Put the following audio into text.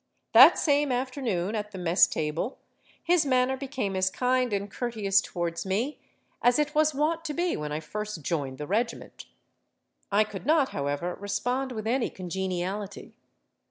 That same afternoon, at the mess table, his manner became as kind and courteous towards me as it was wont to be when I first joined the regiment; I could not however respond with any congeniality.